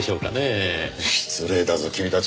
失礼だぞ君たち。